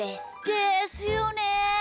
ですよね！